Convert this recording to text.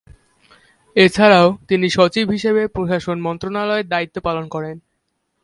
এছাড়াও, তিনি সচিব হিসেবে প্রশাসন মন্ত্রণালয়ের দায়িত্ব পালন করেন।